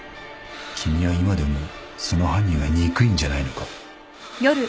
君は今でもその犯人が憎いんじゃないのか？